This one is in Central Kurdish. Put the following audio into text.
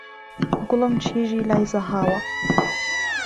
گوڵم کیژی لای زههاوه